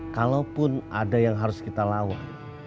kalaupun ada yang harus kita lawan